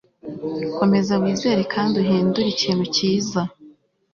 komeza wizere kandi uhindure ikintu cyiza